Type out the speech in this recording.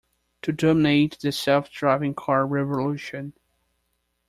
To dominate the self-driving car revolution.